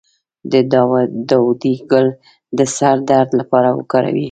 د داودي ګل د سر درد لپاره وکاروئ